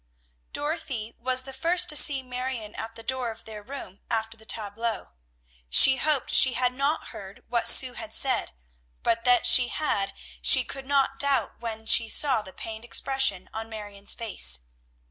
Dorothy was the first to see Marion at the door of their room after the tableaux. She hoped she had not heard what Sue had said, but that she had she could not doubt when she saw the pained expression on Marion's face.